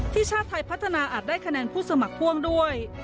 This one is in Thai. ชาติไทยพัฒนาอาจได้คะแนนผู้สมัครพ่วงด้วย